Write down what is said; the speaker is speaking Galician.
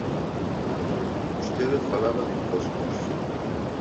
Vostede falaba de impostos.